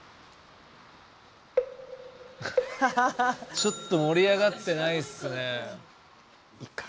ちょっと盛り上がってないっすね。